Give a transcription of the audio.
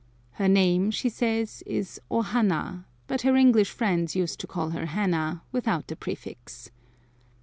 Her name, she says, is O hanna, but her English friends used to call her Hannah, without the prefix.